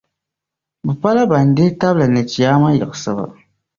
Bɛ pala ban dihitabli ni Chiyaama yiɣisibu.